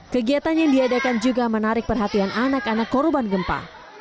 kegiatan yang diadakan juga menarik perhatian anak anak korban gempa